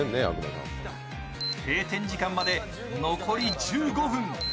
閉店時間まで残り１５分。